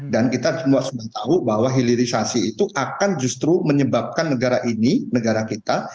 dan kita semua tahu bahwa hilirisasi itu akan justru menyebabkan negara ini negara kita